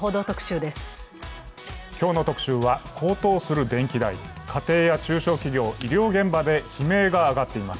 今日の特集は、高騰する電気代家庭や中小企業、医療現場で悲鳴が上がっています。